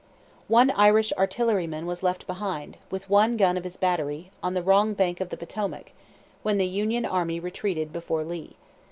One Irish artilleryman was left behind, with one gun of his battery, on the wrong bank of the Potomac, when the Union Army retreated before Lee.